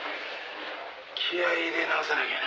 「気合入れ直さなきゃな」